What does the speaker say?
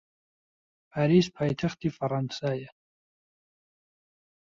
پاریس پایتەختی فەڕەنسایە.